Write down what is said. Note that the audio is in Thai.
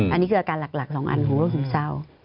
อันนี้คืออาการหลัก๒อันของโรคซึมเศร้า